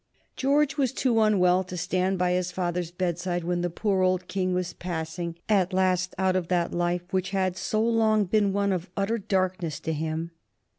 George was too unwell to stand by his father's bedside when the poor old King was passing, at last, out of that life which had so long been one of utter darkness to him.